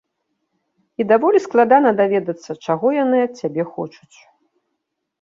І даволі складана даведацца, чаго яны ад цябе хочуць.